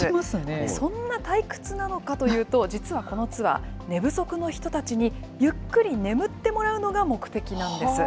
そんな退屈なのかというと、実はこのツアー、寝不足の人たちにゆっくり眠ってもらうのが目的なんです。